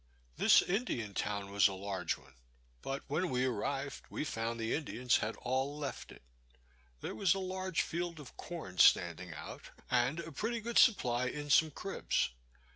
This Indian town was a large one; but when we arrived we found the Indians had all left it. There was a large field of corn standing out, and a pretty good supply in some cribs.